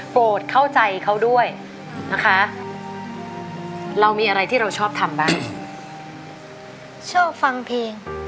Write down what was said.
โปรดเข้าใจเขาด้วยนะคะเรามีอะไรที่เราชอบทำบ้าง